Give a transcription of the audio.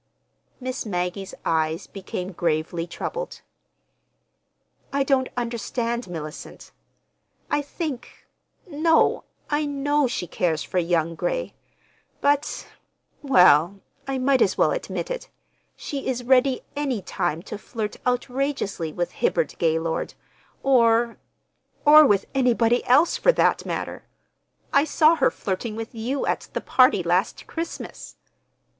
Miss Maggie's eyes became gravely troubled. "I don't understand Mellicent. I think—no, I know she cares for young Gray; but—well, I might as well admit it, she is ready any time to flirt outrageously with Hibbard Gaylord, or—or with anybody else, for that matter. I saw her flirting with you at the party last Christmas!"